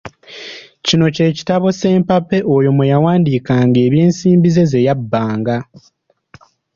Kino kye kitabo sempappe oyo mwe yawandiikanga eby'ensimbi ze ze yabbanga.